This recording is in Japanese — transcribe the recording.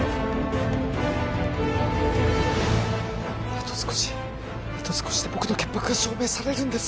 あと少しあと少しで僕の潔白が証明されるんです